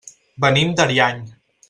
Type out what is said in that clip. Venim d'Ariany.